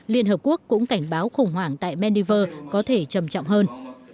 liên hợp quốc cũng cảnh báo khủng hoảng tại maldives có thể trầm trọng hơn